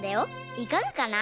いかがかな？